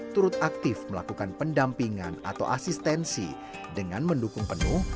turut aktif melakukan pendampingan atau asistensi dengan mendukung penuh